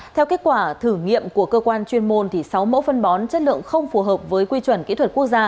theo kết quả thử nghiệm của cơ quan chuyên môn sáu mẫu phân bón chất lượng không phù hợp với quy chuẩn kỹ thuật quốc gia